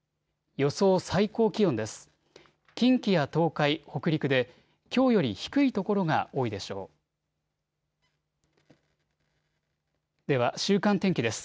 予想最高気温です。